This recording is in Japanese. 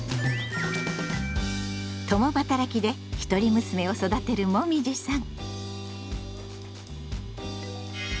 共働きで一人娘を育てるもみじさん。